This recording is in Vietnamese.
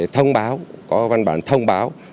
thông báo có văn bản thông báo